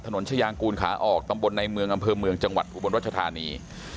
ชายางกูลขาออกตำบลในเมืองอำเภอเมืองจังหวัดอุบลรัชธานี